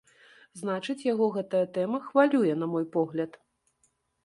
Значыць, яго гэтая тэма хвалюе, на мой погляд.